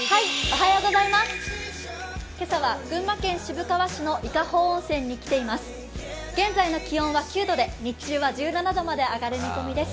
今朝は群馬県渋川市の伊香保温泉に来ています。